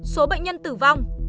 số bệnh nhân tử vong